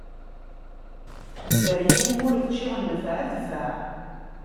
Dderya iwumi ur ččiɣ nnfeɛ, dfeɛ!